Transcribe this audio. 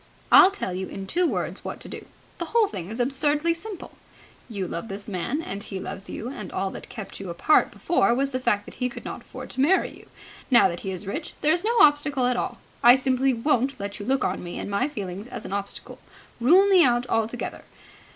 "I'll tell you in two words what to do. The whole thing is absurdly simple. You love this man and he loves you, and all that kept you apart before was the fact that he could not afford to marry you. Now that he is rich, there is no obstacle at all. I simply won't let you look on me and my feelings as an obstacle. Rule me out altogether.